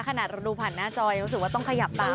ขนาดเราดูผ่านหน้าจอยังรู้สึกว่าต้องขยับตา